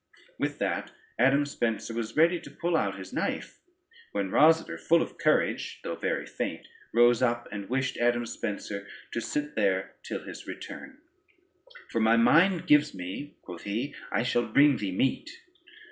With that Adam Spencer was ready to pull out his knife, when Rosader full of courage (though very faint) rose up, and wished Adam Spencer to sit there till his return; "for my mind gives me," quoth he, "I shall bring thee meat."